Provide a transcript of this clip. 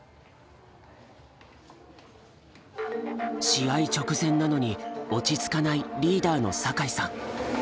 試合直前なのに落ち着かないリーダーの酒井さん。